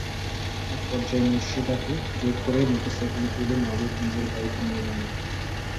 একপর্যায়ে মোর্শেদাকে জোর করে মোটরসাইকেলে তুলে মাহাবুর নিজের বাড়িতে নিয়ে যান।